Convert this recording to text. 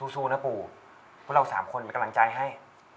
สู้นะปู่พวกเราสามคนเป็นกำลังใจให้